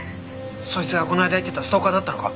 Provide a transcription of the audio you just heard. そいつがこの間言ってたストーカーだったのか？